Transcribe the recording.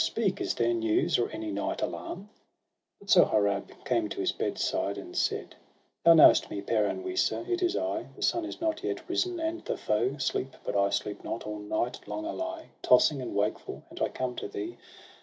Speak! is there news, or any night alarm.?' But Sohrab came to the bedside, and said: — Thou know'st me, Peran Wisa! it is I. The sun is not yet risen, and the foe Sleep; but I sleep not; all night long I lie Tossing and wakeful, and I come to thee.